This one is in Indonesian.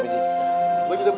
gue juga bersama